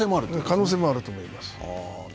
可能性もあると思います。